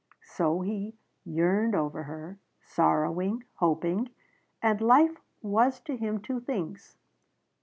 So he yearned over her sorrowing, hoping. And life was to him two things.